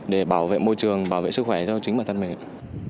để bảo vệ môi trường bảo vệ sức khỏe cho chính bản thân mình